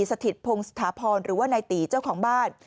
สถิตพงศถาพรหรือว่านายตีเจ้าของบ้าน